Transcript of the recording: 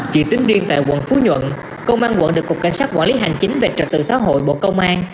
chỉ tính riêng tại quận phú nhuận công an quận được cục cảnh sát quản lý hành chính về trật tự xã hội bộ công an